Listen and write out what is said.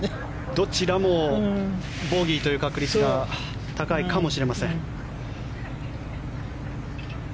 どちらもボギーという確率が高いかもしれません。